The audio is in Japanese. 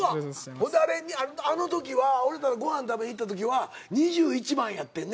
ほんであの時は俺らとご飯食べに行った時は２１番やってんね。